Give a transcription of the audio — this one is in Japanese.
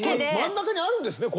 真ん中にあるんですね